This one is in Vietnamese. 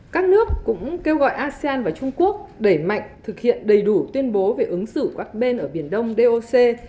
các nước cũng kêu gọi asean và trung quốc đẩy mạnh thực hiện đầy đủ tuyên bố về ứng xử các bên ở biển đông doc